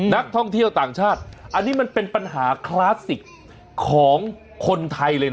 นักท่องเที่ยวต่างชาติอันนี้มันเป็นปัญหาคลาสสิกของคนไทยเลยนะ